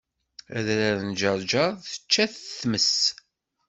Adrar n Ǧerǧer tečča-t tmes